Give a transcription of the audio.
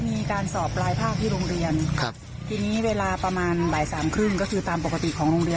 มีการสอบรายภาพที่โรงเรียนครับทีนี้เวลาประมาณบหาย